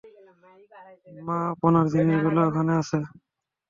মা, আপনার জিনিসগুলো ওখানে আছে।